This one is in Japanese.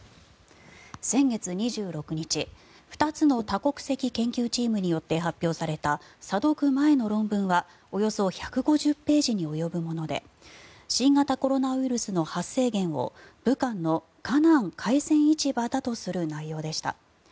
先月２６日２つの多国籍研究チームによって発表された査読前の論文はおよそ１５０ページに及ぶもので新型コロナウイルスの発生源を武漢の華南海鮮市場だとする内容でした。